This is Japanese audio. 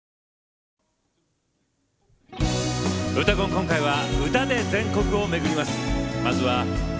今回は歌で全国を巡ります。